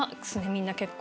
みんな結構。